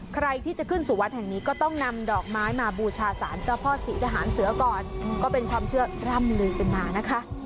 ใครที่จะขึ้นสู่วัดแห่งนี้ก็ต้องนำดอกไม้มาบูชาสารเจ้าพ่อศรีทหารเสือก่อนก็เป็นความเชื่อร่ำลือกันมานะคะ